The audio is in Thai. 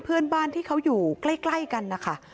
เพื่อนบ้านที่เขาอยู่ใกล้กันนะคะ